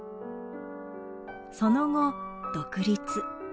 その後独立。